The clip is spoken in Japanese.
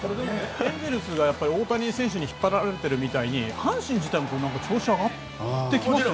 エンゼルスが大谷選手に引っ張られてるみたいに阪神自体も調子が上がってきますよね。